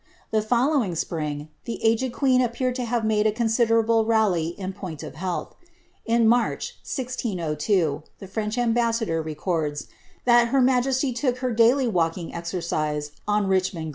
The fol lowing spring, the aged queen appeared to have made a considerable rally in point of health. In March. 1002, the French ambassador re cords, thai her majesty took her daily walking exercise on BichmMii ' Ungard.